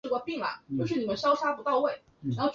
但第一次世界大战爆发让他的生意一蹶不振。